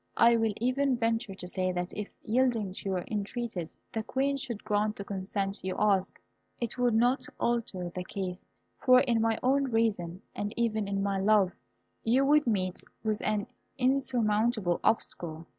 I will even venture to say, that if, yielding to your entreaties, the Queen should grant the consent you ask, it would not alter the case, for in my own reason, and even in my love, you would meet with an insurmountable obstacle.